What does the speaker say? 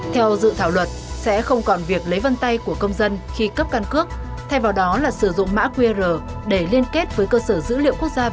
theo dự thảo luật sẽ không còn việc lấy vân tay của công dân khi cấp căn cước thay vào đó là sử dụng mã qr để liên kết với cơ sở dữ liệu quốc gia